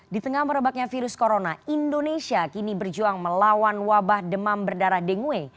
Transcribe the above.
di tengah merebaknya virus corona indonesia kini berjuang melawan wabah demam berdarah dengue